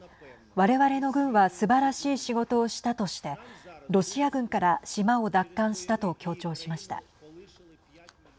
われわれの軍はすばらしい仕事をしたとしてロシア軍から島を奪還したと強調しました。